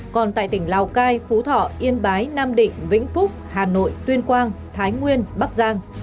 còn tại tỉnh lào cai phú thọ yên bái nam định vĩnh phúc hà nội tuyên quang thái nguyên bắc giang